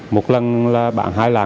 một lần là bạn hai lạc